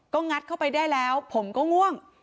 ก็งัดเข้าไปได้แล้วผมก็ง่วง